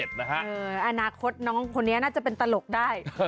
อนาคตน้องคนนี้น่าจะเป็นตลกได้